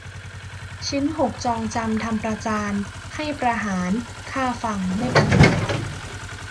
ชิ้นหกจองจำทำประจาน ให้ประหารฆ่าฟังไม่บรรไลย